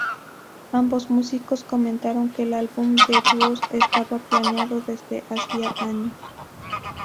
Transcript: Ambos músicos comentaron que el álbum de dúos estaba planeado desde hacía años.